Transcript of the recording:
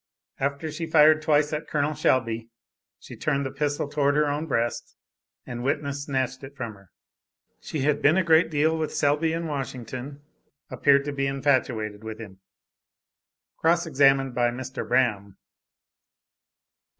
After she had fired twice at Col. Selby, she turned the pistol towards her own breast, and witness snatched it from her. She had been a great deal with Selby in Washington, appeared to be infatuated with him. (Cross examined by Mr. Braham.)